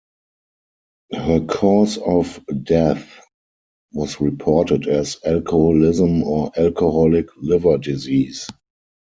Her cause of death was reported as alcoholism or alcoholic liver disease.